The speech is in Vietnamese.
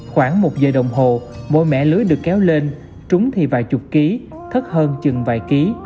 khoảng một giờ đồng hồ mỗi mẻ lưới được kéo lên trúng thì vài chục ký thấp hơn chừng vài ký